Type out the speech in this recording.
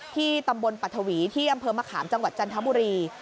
ที่ตำบลปัทวีที่อำเภอมะขามจังหวัดจันทบุรี